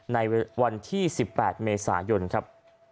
ในวันที่๑๘เมษายนครับ